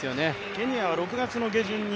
ケニアは６月順位